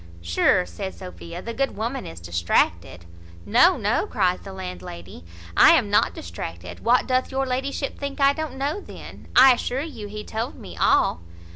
"Sure," says Sophia, "the good woman is distracted." "No, no," cries the landlady, "I am not distracted. What, doth your ladyship think I don't know then? I assure you he told me all."